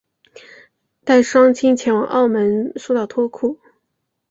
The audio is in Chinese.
带双亲前往澳门输到脱裤